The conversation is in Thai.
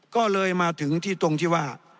ก็เลยมาถึงที่ตรงที่ว่า